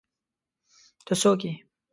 ته څوک ئې؟